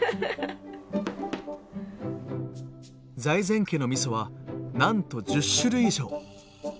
財前家のみそはなんと１０種類以上。